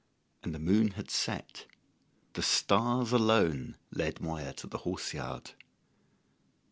And the moon had set; the stars alone lit Moya to the horse yard.